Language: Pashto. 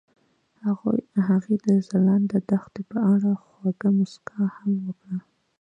هغې د ځلانده دښته په اړه خوږه موسکا هم وکړه.